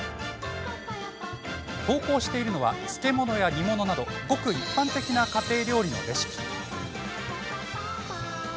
投稿しているのは漬物や煮物などごく一般的な家庭料理のレシピ。